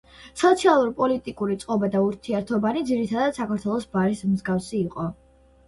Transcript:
სოციალურ-პოლიტიკური წყობა და ურთიერთობანი ძირითადად საქართველოს ბარის მსგავსი იყო.